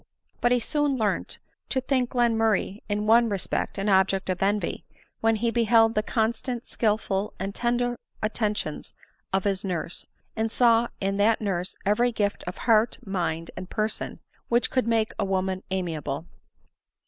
But he soon learnt to think Glenmurray, in one re spect, an object of envy, when he beheld the constant, skilful and tender attentions of his nurse, and saw in that nurse every gift of heart, mind, and person, which could make a woman amiable.